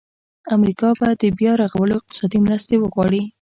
امریکا به د بیا رغولو اقتصادي مرستې وغواړي.